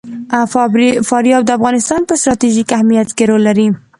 فاریاب د افغانستان په ستراتیژیک اهمیت کې رول لري.